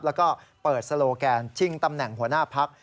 แล้วก็เปิดโซโลแกนชิงตำแหน่งหัวหน้าพัก